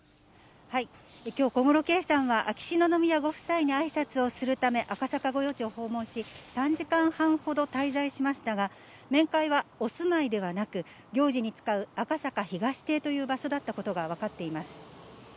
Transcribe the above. きょう、小室圭さんは秋篠宮ご夫妻にあいさつをするため、赤坂御用地を訪問し、３時間半ほど滞在しましたが、面会はお住まいではなく、行事に使う赤坂東邸という場所だったことが分かっています。